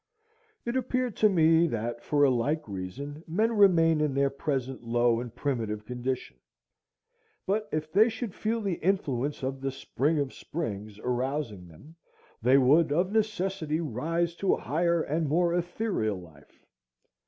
It appeared to me that for a like reason men remain in their present low and primitive condition; but if they should feel the influence of the spring of springs arousing them, they would of necessity rise to a higher and more ethereal life.